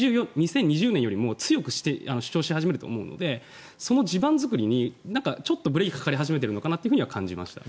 ２０２０年よりも強く主張し始めると思うのでその地盤づくりにちょっとブレーキがかかり始めているのかなとはちょっと感じました。